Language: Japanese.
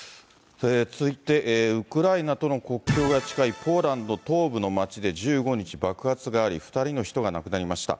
続いて、ウクライナとの国境が近いポーランド東部の街で１５日、爆発があり、２人の人が亡くなりました。